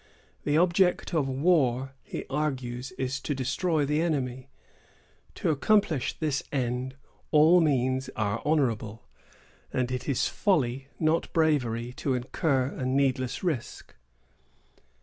The object of war, he argues, is to destroy the enemy. To accomplish this end, all means are honorable; and it is folly, not bravery, to incur a needless risk.